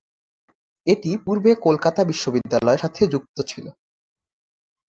এটি পূর্বে কলকাতা বিশ্ববিদ্যালয়ের সাথে যুক্ত ছিল।